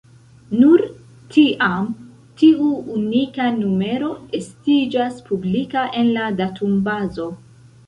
Nur tiam, tiu unika numero estiĝas publika en la datumbazo.